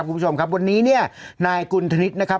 คุณผู้ชมครับวันนี้เนี่ยนายกุณธนิษฐ์นะครับ